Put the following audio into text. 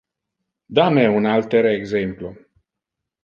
Da me un altere exemplo.